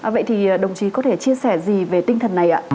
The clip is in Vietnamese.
vậy thì đồng chí có thể chia sẻ gì về tinh thần này ạ